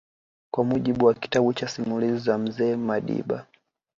Kwa mujibu wa kitabu cha Simulizi za Mzee Madiba